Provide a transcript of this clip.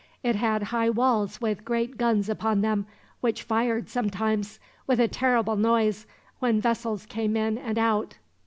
It had high walls with great guns upon them, which fired sometimes, with a terrible noise, when vessels came in and out."